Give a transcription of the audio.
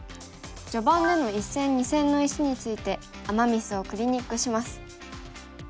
序盤での一線二線の石についてアマ・ミスをクリニックします。